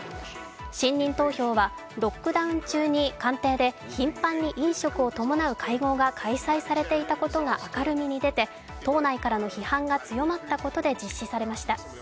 信任投票はロックダウン中に官邸で頻繁に飲食を伴う会合が開催されていたことが明るみに出て党内からの批判が強まったことから実施されました。